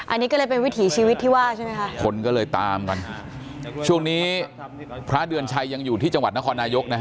อันนี้ก็เลยเป็นวิถีชีวิตที่ว่าใช่ไหมคะคนก็เลยตามกันช่วงนี้พระเดือนชัยยังอยู่ที่จังหวัดนครนายกนะฮะ